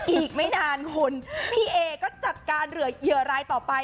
อีกไม่นานคุณพี่เอก็จัดการเหลือเหยื่อรายต่อไป